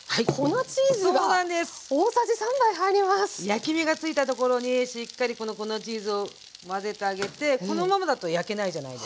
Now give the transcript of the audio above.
焼き目がついた所にしっかりこの粉チーズを混ぜてあげてこのままだと焼けないじゃないですか。